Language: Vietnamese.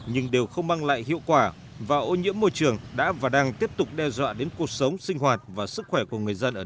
nhưng đều không mang lại hiệu quả và ô nhiễm môi trường đã và đang tiếp tục đe dọa đến cuộc sống sinh hoạt và sức khỏe của người dân ở đây